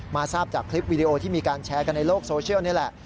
ทราบจากคลิปวิดีโอที่มีการแชร์กันในโลกโซเชียลนี่แหละ